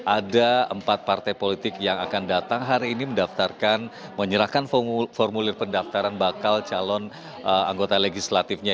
ada empat partai politik yang akan datang hari ini mendaftarkan menyerahkan formulir pendaftaran bakal calon anggota legislatifnya